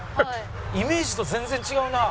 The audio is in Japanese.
イメージと全然違うな。